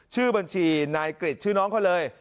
ชื่อบัญชีนายกริจชื่อน้องเขาเลย